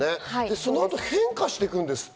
そのあと変化していくんですって。